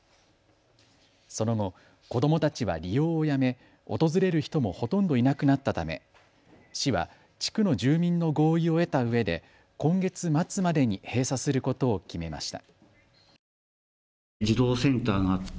その後、子どもたちは利用をやめ訪れる人もほとんどいなくなったため、市は地区の住民の合意を得たうえで今月末までに閉鎖することを決めました。